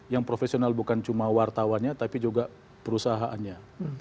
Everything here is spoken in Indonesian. yang profesional bukan cuma wartawannya tapi juga perusahaannya